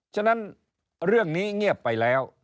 ฉะนั้นเรื่องนี้เงียบไปแล้ว